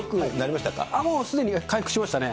もう、すでに回復しましたね。